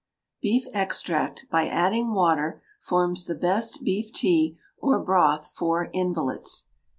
Beef extract, by adding water, forms the best beef tea or broth for invalids.